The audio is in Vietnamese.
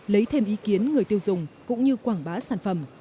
lấy thêm ý kiến người tiêu dùng cũng như quảng bá sản phẩm